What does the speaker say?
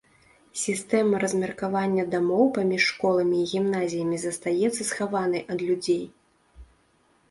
Сістэма размеркавання дамоў паміж школамі і гімназіямі застаецца схаванай ад людзей.